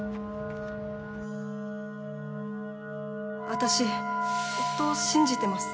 私夫を信じてます